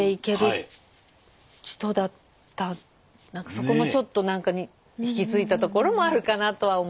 そこもちょっと何か引き継いだところもあるかなとは思う。